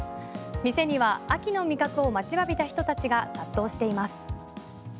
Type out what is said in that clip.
店には秋の味覚を待ちわびた人たちが殺到しています。